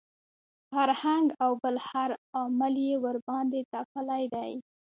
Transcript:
فرهنګ او بل هر عامل یې ورباندې تپلي دي.